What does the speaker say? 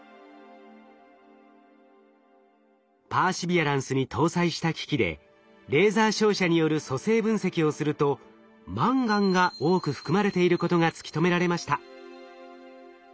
パーシビアランスに搭載した機器でレーザー照射による組成分析をするとマンガンが多く含まれていることが突き止められました。